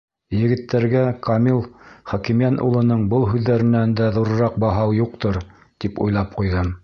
Егеттәргә Камил Хәкимйән улының был һүҙҙәренән дә ҙурыраҡ баһа юҡтыр, тип уйлап ҡуйҙым.